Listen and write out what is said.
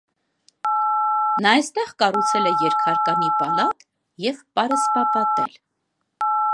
Նա այստեղ կառուցել է երկհարկանի պալատ և պարսպապատել։